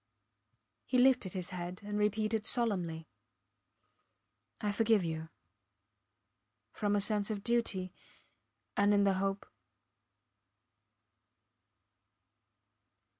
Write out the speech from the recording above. He lifted his head and repeated solemnly: I forgive you ... from a sense of duty and in the hope